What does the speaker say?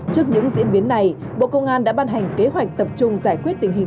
trước những diễn biến này bộ công an đã ban hành kế hoạch tập trung giải quyết tình hình